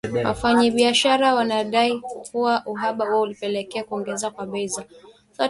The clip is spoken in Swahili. Wafanyabiashara wanadai kuwa uhaba huo ulipelekea kuongezeka kwa bei za